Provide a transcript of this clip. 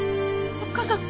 おっ母さん！